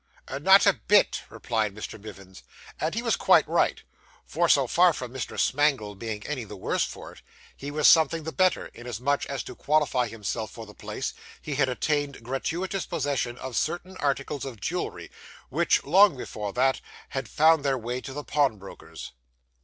'Not a bit,' replied Mr. Mivins. And he was quite right; for, so far from Mr. Smangle being any the worse for it, he was something the better, inasmuch as to qualify himself for the place, he had attained gratuitous possession of certain articles of jewellery, which, long before that, had found their way to the pawnbroker's.